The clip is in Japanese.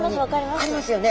ありますよね。